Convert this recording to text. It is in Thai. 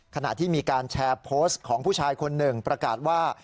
ขณะที่มีการแชร์โพสต์ของผู้ชายคนหนึ่งประกาศว่า